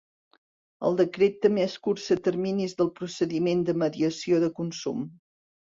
El Decret també escurça terminis del procediment de mediació de consum.